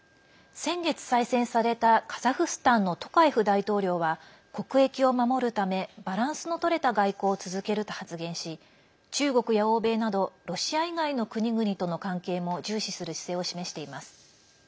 先月、再選されたカザフスタンのトカエフ大統領は国益を守るためバランスのとれた外交を続けると発言し中国や欧米などロシア以外の国々との関係も重視する姿勢を示しています。